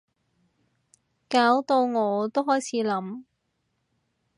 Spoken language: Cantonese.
搞到我都開始諗